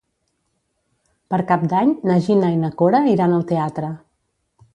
Per Cap d'Any na Gina i na Cora iran al teatre.